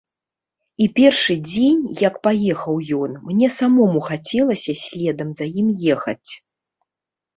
І першы дзень, як паехаў ён, мне самому хацелася следам за ім ехаць.